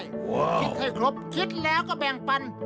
คิดให้ครบคิดแล้วก็แบ่งปัน